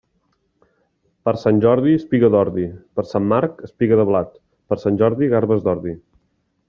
Per Sant Jordi, espiga d'ordi; per Sant Marc, espiga de blat; per Sant Jordi, garbes d'ordi.